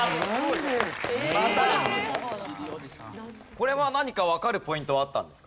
これは何かわかるポイントはあったんですか？